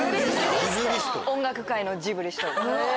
音楽界のジブリスト。